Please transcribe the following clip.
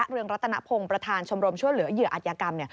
และเรื่องระตนภงประทานชทธิ์ชั่วเหลือเหยื่ออัตยากรรม